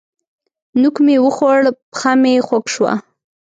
نوک مې وخوړ؛ پښه مې خوږ شوه.